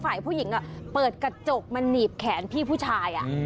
ฝ่ายผู้หญิงเปิดกระจกมาหนีบแขนพี่ผู้ชาย